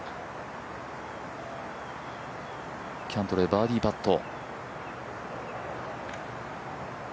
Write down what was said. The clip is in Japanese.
キャントレー、バーディーパット。